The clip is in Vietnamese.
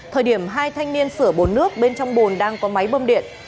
thời điểm hai thanh niên sửa bồn nước bên trong bồn đang có máy bơm điện